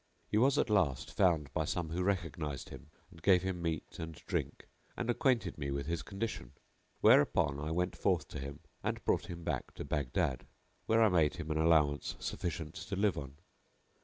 He was at last found by some who recognised him and gave him meat and drink and acquainted me with his condition; whereupon I went forth to him and brought him back to Baghdad where I made him an allowance sufficient to live on.